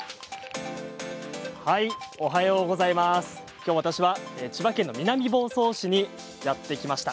きょう私は千葉県の南房総市にやって来ました。